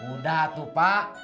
udah atu pak